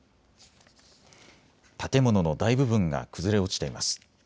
建物の大部分が崩れ落ちています。